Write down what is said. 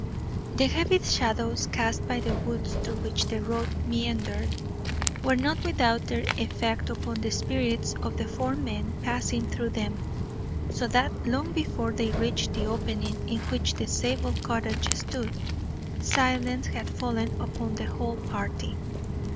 The heavy shadows cast by the woods through which the road meandered were not without their effect upon the spirits of the four men passing through them, so that long before they reached the opening in which the Zabel cottage stood, silence had fallen upon the whole party.